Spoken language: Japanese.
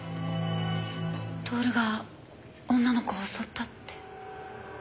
享が女の子を襲ったって。